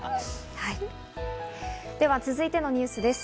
続いてのニュースです。